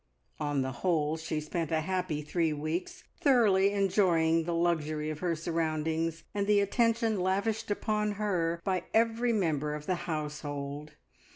On the whole she spent a happy three weeks, thoroughly enjoying the luxury of her surroundings and the attention lavished upon her by every member of the household.